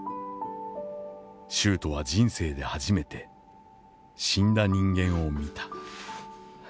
秀斗は人生で初めて死んだ人間を見た」。